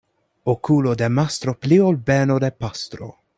Okulo de mastro pli ol beno de pastro.